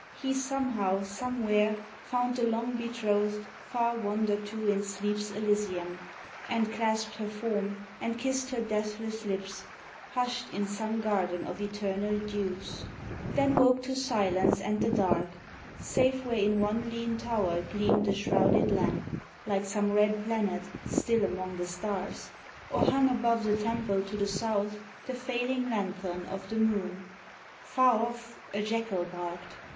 He somehow, somewhere, found the long betrothed. Far wandered too in sleep's Elysium, And clasped her form, and kissed her deathless lips, Hushed, in some garden of eternal dews; 98 JUS'TICE Then woke to silence and the dark, save where In one lean tower gleamed a shrouded lamp, Like some red planet still among the stars. Or, hung above the temple to the south. The failing Ian thorn of the moon ... Far off A jackal barked